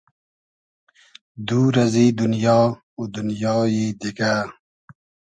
دور ازی دونیا و دونیایی دیگۂ